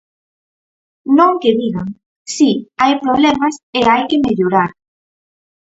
Non que digan: si, hai problemas e hai que mellorar.